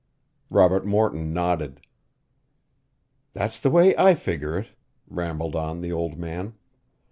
Robert Morton nodded. "That's the way I figger it," rambled on the old man.